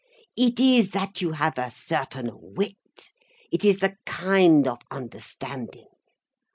"It is that you have a certain wit, it is the kind of understanding.